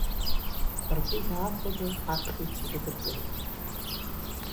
Ргәы иаахәаны аԥхьаҩцәа ирыдыркылеит.